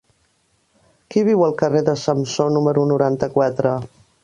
Qui viu al carrer de Samsó número noranta-quatre?